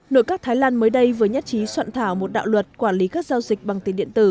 nội các thái lan mới đây vừa nhất trí soạn thảo một đạo luật quản lý các giao dịch bằng tiền điện tử